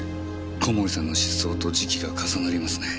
小森さんの失踪と時期が重なりますね。